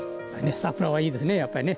桜はいいですね、やっぱりね。